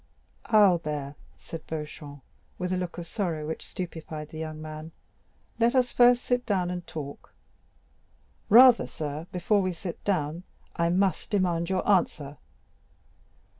"Albert," said Beauchamp, with a look of sorrow which stupefied the young man, "let us first sit down and talk." "Rather, sir, before we sit down, I must demand your answer."